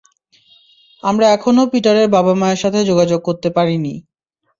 আমরা এখনও পিটারের বাবা মায়ের সাথে যোগাযোগ করতে পারিনি।